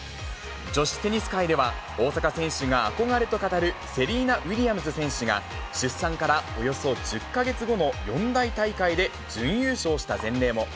女子テニス界では、大坂選手が憧れと語るセリーナ・ウィリアムズ選手が、出産からおよそ１０か月後の四大大会で準優勝した前例も。